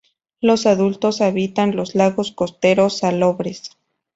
Los adultos habitan los lagos costeros salobres.